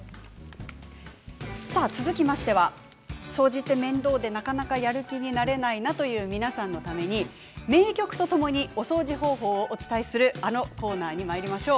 続いては掃除って面倒でなかなかやる気になれないなという皆さんのために名曲とともにお掃除方法をお伝えするあのコーナーにまいりましょう。